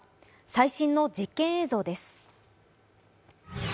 最新の実験映像です。